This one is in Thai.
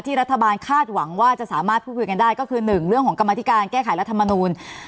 รัฐบาลคาดหวังว่าจะสามารถพูดคุยกันได้ก็คือ๑เรื่องของกรรมธิการแก้ไขรัฐมนูล